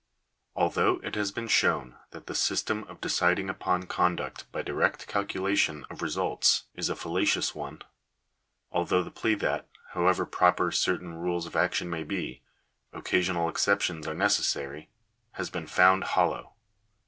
Although it has been shown that the system of deciding upon conduct by direct calculation of results is a fallacious one — although the plea that, however proper certain rules of action may be, occasional exceptions are necessary, has been found hollow (Lemma II.).